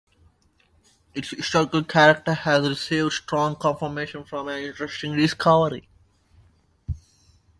Its historical character has received strong confirmation from an interesting discovery.